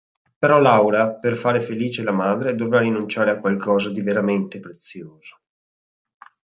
Però Laura per fare felice la madre dovrà rinunciare a qualcosa di veramente prezioso..